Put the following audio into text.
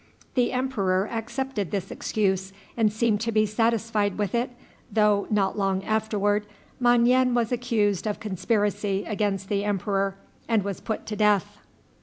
The emperor accepted this excuse, and seemed to be satisfied with it, though, not long afterward, Mon yen was accused of conspiracy against the emperor and was put to death.